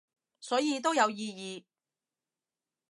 所以都有意義